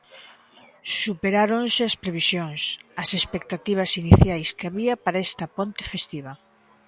Superáronse as previsións, as expectativas iniciais que había para esta ponte festiva.